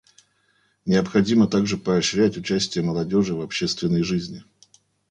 Необходимо также поощрять участие молодежи в общественной жизни.